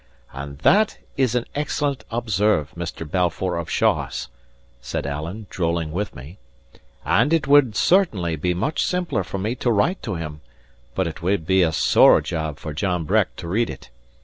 "And that is an excellent observe, Mr. Balfour of Shaws," says Alan, drolling with me; "and it would certainly be much simpler for me to write to him, but it would be a sore job for John Breck to read it.